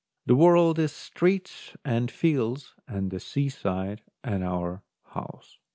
The world is streets and fields and the seaside and our house.